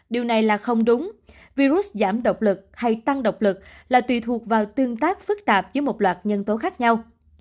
điều này là không đúng virus giảm độc lực hay tăng độc lực là tùy thuộc vào tương tác phức tạp với một loạt nhân tố khác nhau